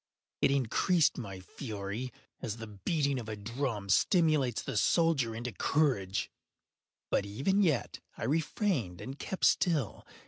It increased my fury, as the beating of a drum stimulates the soldier into courage. But even yet I refrained and kept still.